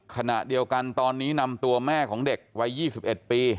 ขณะเดียวกันตอนนี้นำตัวแม่ของเด็กวัย๒๑ปี